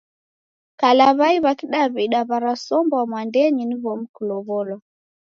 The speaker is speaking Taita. Kala w'ai w'a kidaw'ida w'arasombwa mwadenyi ni w'omi kulow'olwa.